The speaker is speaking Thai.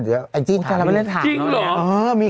เดี๋ยวไอ้จิ๊นถามนี้เออมีข่าวว่าจริงเหรอ